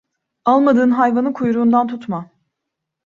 Almadığın hayvanı kuyruğundan tutma.